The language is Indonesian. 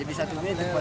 jadi satu meter pak